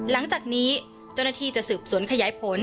หลังจากนี้เจ้าหน้าที่จะสืบสวนขยายผล